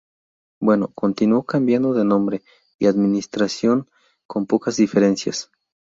Bueno, continuó cambiando de nombre y administración con pocas diferencias.